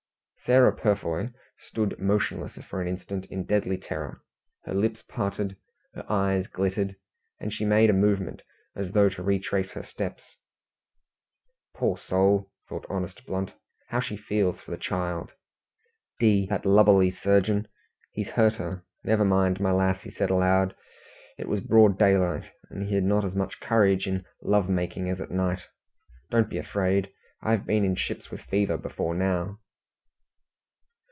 Sarah Purfoy stood motionless for an instant, in deadly terror. Her lips parted, her eyes glittered, and she made a movement as though to retrace her steps. "Poor soul!" thought honest Blunt, "how she feels for the child! D that lubberly surgeon, he's hurt her! Never mind, my lass," he said aloud. It was broad daylight, and he had not as much courage in love making as at night. "Don't be afraid. I've been in ships with fever before now."